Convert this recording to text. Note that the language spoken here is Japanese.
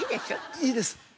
いいです。